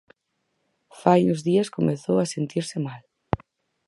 Fai uns días comezou a sentirse mal.